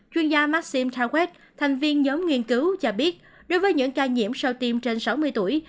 chuyên gia maxim tawet thành viên nhóm nghiên cứu cho biết đối với những ca nhiễm sau tim trên sáu mươi tuổi